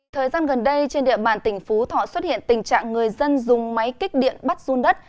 thời gian gần đây trên địa bàn tỉnh phú thọ xuất hiện tình trạng người dân dùng máy kích điện bắt run đất